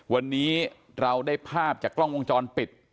วันนี้เราได้ภาพจากกล้องวงจรปิด